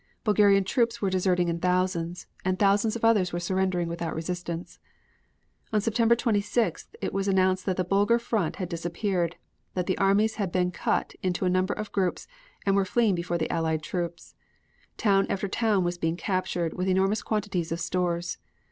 Bulgarian troops were deserting in thousands, and thousands of others were surrendering without resistance. On September 26th it was announced that the Bulgar front had disappeared; that the armies had been cut into a number of groups and were fleeing before the Allied troops. Town after town was being captured, with enormous quantities of stores.